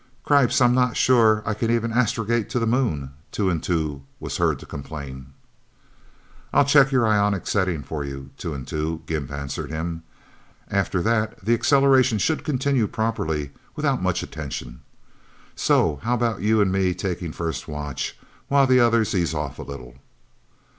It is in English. "Cripes I'm not sure I can even astrogate to the Moon," Two and Two was heard to complain. "I'll check your ionic setting for you, Two and Two," Gimp answered him. "After that the acceleration should continue properly without much attention. So how about you and me taking first watch, while the others ease off a little...?"